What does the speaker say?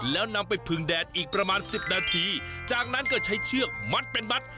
แล้วนำไปพึงแดดอีกประมาณสิบนาทีจากนั้นก็ใช้เชือกมัดเป็นมัด